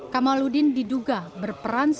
kamaludin diduga berperan seorang